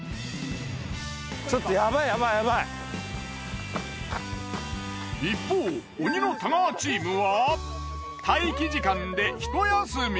ちょっと一方鬼の太川チームは待機時間でひと休み。